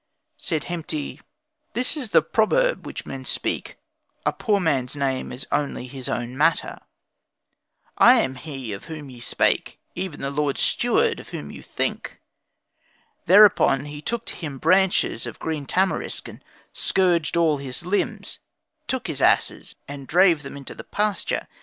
Said Hemti, "This is the proverb which men speak: 'A poor man's name is only his own matter.' I am he of whom you spake, even the Lord Steward of whom you think." Thereon he took to him branches of green tamarisk and scourged all his limbs, took his asses, and drave them into the pasture.